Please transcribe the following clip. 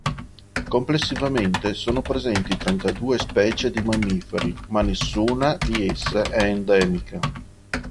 Complessivamente sono presenti trentadue specie di mammiferi, ma nessuna di esse è endemica.